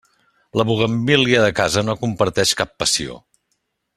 La buguenvíl·lia de casa no comparteix cap passió.